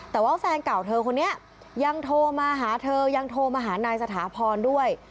แต่ว่าแฟนเก่าเธอคนนี้ยังโทรมาหาเธอยังโทรมาหานายสถาพรด้วย